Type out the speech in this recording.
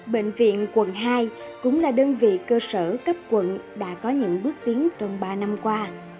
bệnh viện quận hai cũng là đơn vị cơ sở cấp quận đã có những bước tiến trong ba năm qua